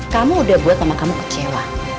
kamu udah buat mama kamu kecewa